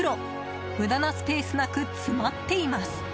無駄なスペースなく詰まっています。